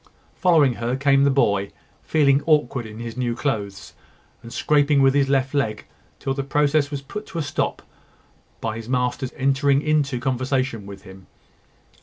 Following her came the boy, feeling awkward in his new clothes, and scraping with his left leg till the process was put a stop to by his master's entering into conversation with him.